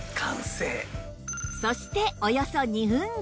そしておよそ２分後